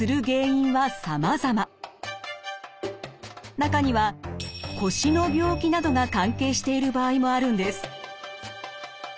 中には腰の病気などが関係している場合もあるんです。